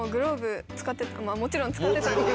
もちろん使ってたんです。